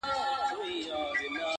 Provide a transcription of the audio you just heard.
یار نښانه د کندهار راوړې و یې ګورئ,